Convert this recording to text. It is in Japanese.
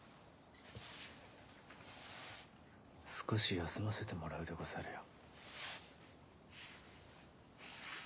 少し休ませてもらうでござるよ。